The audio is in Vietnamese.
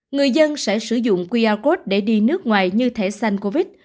người dân sẽ sử dụng qr code để đi nước ngoài như thẻ xanh covid